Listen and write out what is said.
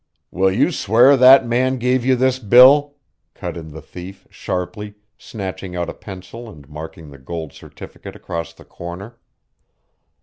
"Will you swear that man gave you this bill?" cut in the thief, sharply, snatching out a pencil and marking the gold certificate across the corner.